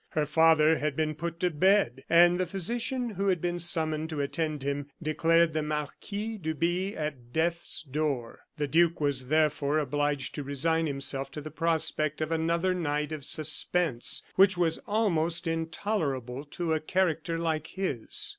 Her father had been put to bed, and the physician who had been summoned to attend him, declared the marquis to be at death's door. The duke was therefore obliged to resign himself to the prospect of another night of suspense, which was almost intolerable to a character like his.